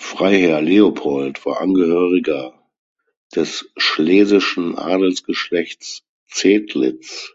Freiherr Leopold war Angehöriger des schlesischen Adelsgeschlechts Zedlitz.